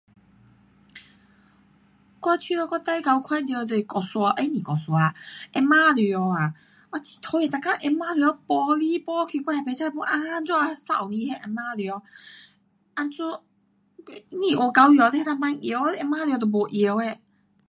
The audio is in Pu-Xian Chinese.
我觉得我最常看到就是蟑螂，诶不是蟑螂啊，壁虎蛇啊，我很讨厌每天壁虎蛇爬来爬去，我也不知要怎样扫掉壁虎蛇，怎样，不讲白蚁你能够放药，壁虎蛇都没药的。